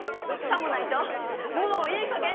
さもないともういい加減